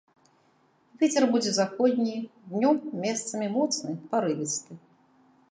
Вецер будзе заходні, днём месцамі моцны парывісты.